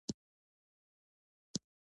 تنور د مور د لاس خوند ورکوي